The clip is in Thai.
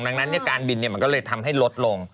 ดังนั้นการบินมันก็เลยทำให้ลดลง